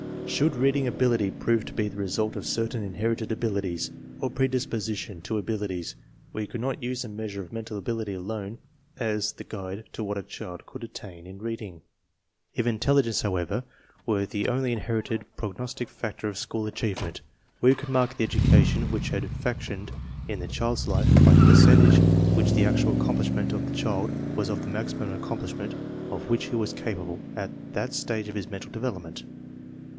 Should reading ability prove to be the result *of certain inherited abilities, or predisposition to abilities, we could not use a measure of mental ability alone as the guide to what a child could attain in reading. If intelligence, however, were the only inheri ted pro gnos tic factor of school achievement, we could mark the education which had functioned in the child's life by the percentage which the actual accomplishment of the child was of the maximum accomplishment of which he was capable at that stage of his mental development.